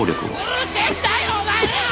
うるせえんだよお前ら！